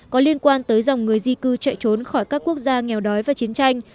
có liên quan tới dòng người di cư chạy trốn khỏi các quốc gia nghèo đói và chiến tranh